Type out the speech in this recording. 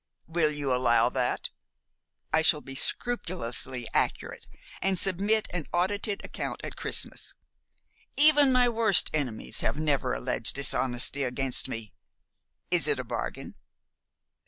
Will you allow that? I shall be scrupulously accurate, and submit an audited account at Christmas. Even my worst enemies have never alleged dishonesty against me. Is it a bargain?"